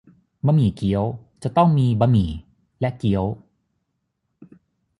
บะหมี่เกี๊ยวจะต้องมีบะหมี่และเกี๊ยว